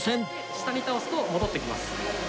下に倒すと戻ってきます。